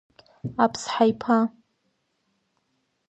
Аԥсҳа иԥа!